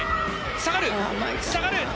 下がる、下がる。